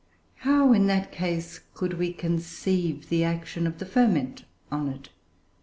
How, in that case, could we conceive the action of the ferment on it?